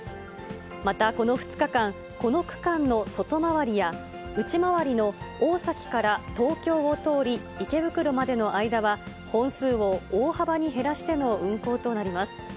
また、この２日間、この区間の外回りや、内回りの大崎から東京を通り池袋までの間は、本数を大幅に減らしての運行となります。